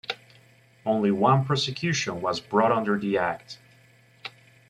Only one prosecution was brought under the Act.